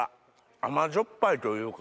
甘じょっぱいというか。